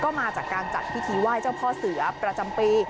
ก็มาจากการจัดขนาดเขุพิทธิว่ายเจ้าพ่อเสือประจำตี